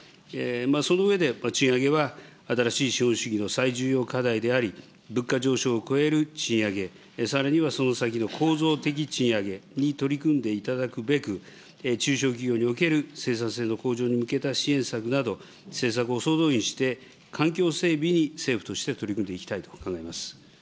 その上で、賃上げは新しい資本主義の最重要課題であり、物価上昇を超える賃上げ、さらにはその先の構造的賃上げに取り組んでいただくべく、中小企業における生産性の向上に向けた支援策など、政策を総動員して、環境整備に政府として取り組んでいきたいと考えます。